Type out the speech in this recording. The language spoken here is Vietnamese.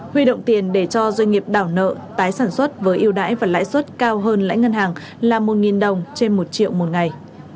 huy động tiền để cho doanh nghiệp đảo nợ tái sản xuất với yêu đái và lãi suất cao hơn lãi ngân hàng là một đồng trên một triệu một ngày